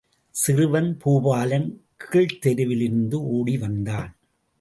சிறுவன் பூபாலன் கீழத் தெருவிலிருந்து ஓடி வந்தான்.